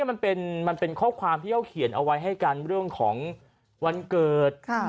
มันเป็นข้อความที่เขาเขียนเอาไว้ให้กันเรื่องของวันเกิด